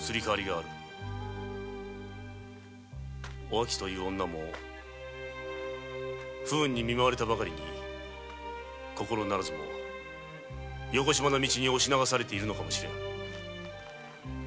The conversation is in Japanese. おあきという女も不運にみまわれたばかりに心ならずもよこしまな道に押し流されているのかも知れん。